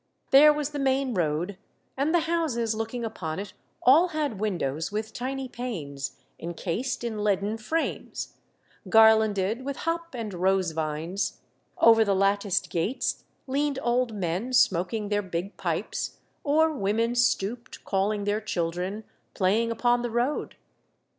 There was the main road, and the houses looking upon it all had windows with tiny panes, encased in leaden frames, garlanded with hop and rose vines ; over the lat ticed gates leaned old men, smoking their big pipes, or women stooped, calling their children, playing upon the road.